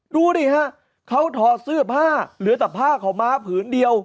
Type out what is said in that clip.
ดูดิฮะเขาถอดเสื้อผ้าเหลือแต่ผ้าขาวม้าผืนเดียว